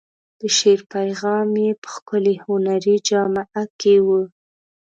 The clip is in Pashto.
د شعر پیغام یې په ښکلې هنري جامه کې و.